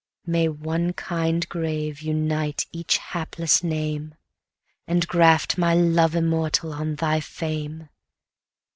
May one kind grave unite each hapless name, And graft my love immortal on thy fame!